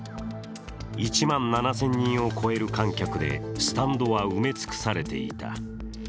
１万７０００人を超える観客でスタンドは埋め尽くされていた。